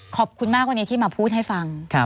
ขอบคุณมากวันนี้ที่มาพูดให้ฟัง